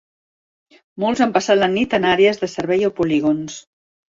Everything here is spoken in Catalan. Molts han passat la nit en àrees de servei o polígons.